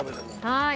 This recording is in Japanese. はい。